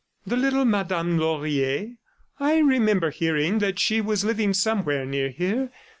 "The little Madame Laurier? ... I remember hearing that she was living somewhere near here.